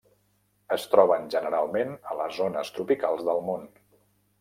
Es troben generalment a les zones tropicals del món.